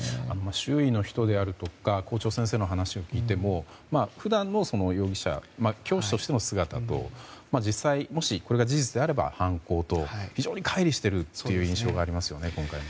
周囲の人であるとか校長先生の話を聞いても普段の容疑者、教師としての姿と実際もし、これが事実であれば犯行と非常に乖離しているという印象がありますよね、今回。